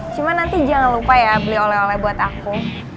cuma nanti jangan lupa ya beli oleh oleh buat aku